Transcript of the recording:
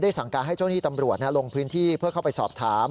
สั่งการให้เจ้าหน้าที่ตำรวจลงพื้นที่เพื่อเข้าไปสอบถาม